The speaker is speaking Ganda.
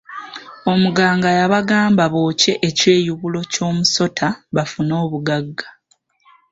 Omuganga yabagamba bookye ekyeyubulo ky'omusota bafune obugagga.